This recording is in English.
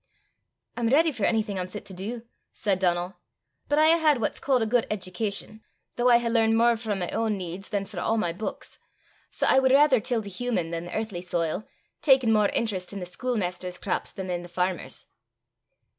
"I'm ready for onything I'm fit to do," said Donal; "but I hae had what's ca'd a good education though I hae learned mair frae my ain needs than frae a' my buiks; sae i wad raither till the human than the earthly soil, takin' mair interest i' the schoolmaister's craps than i' the fairmer's."